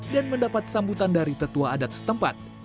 dan mendapat sambutan dari tetua adat setempat